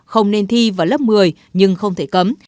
không nên thi vào lớp một mươi nhưng không thể cấm